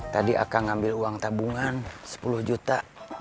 tadi akan ngambil uang tabungan sepuluh juta